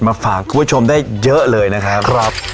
ฝากคุณผู้ชมได้เยอะเลยนะครับ